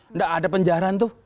enggak ada penjaraan tuh